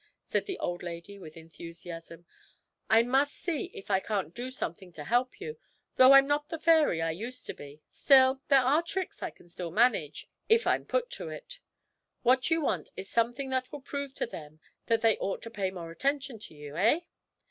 said the old lady with enthusiasm; 'I must see if I can't do something to help you, though I'm not the fairy I used to be still, there are tricks I can manage still, if I'm put to it. What you want is something that will prove to them that they ought to pay more attention to you, eh?